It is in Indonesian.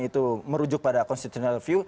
itu merujuk pada constitutional view